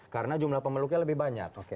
karena jumlah pemeluknya lebih banyak